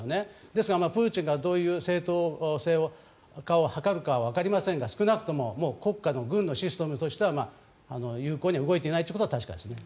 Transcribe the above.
したがってプーチン大統領がどういう正当化を図るかはわかりませんが少なくとも国家の軍のシステムとしては有効に動いていないことは確かです。